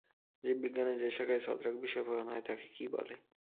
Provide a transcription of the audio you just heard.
জীববিজ্ঞানের যে শাখায় ছত্রাক বিষয়ে পড়ানো হয় তাকে কী বলে?